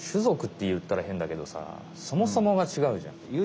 ぞくっていったらへんだけどさそもそもがちがうじゃん。